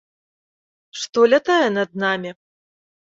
Што лятае над намі?